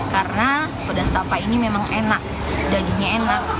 karena pedas tepah ini memang enak dagingnya enak